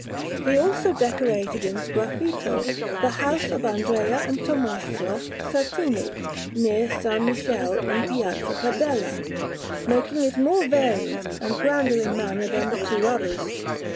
He also decorated in sgraffito the house of Andrea and Tommaso Sertini, near S. Michele in Piazza Padella, making it more varied and grander in manner than the two others.